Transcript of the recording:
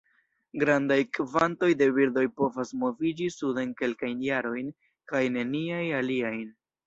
Grandaj kvantoj de birdoj povas moviĝi suden kelkajn jarojn; kaj neniaj aliajn.